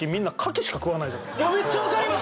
めっちゃ分かります！